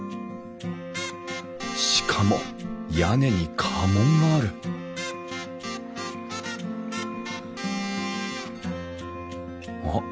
しかも屋根に家紋があるあっ